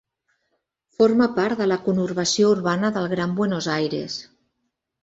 Forma part de la conurbació urbana del Gran Buenos Aires.